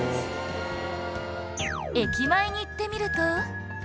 駅前に行ってみると